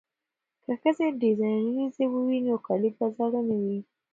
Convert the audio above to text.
که ښځې ډیزاینرې وي نو کالي به زاړه نه وي.